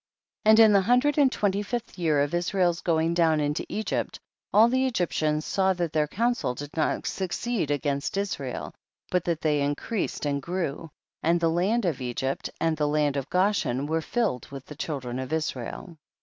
10. And in the hundred and twen ty fifth year of Israel's going down into Egypt, all the Egyptians saw that their counsel did not succeed against Israel, but that they increas ed and grew, and the land of Egypt and the land of Goshen were filled with the children of Israel.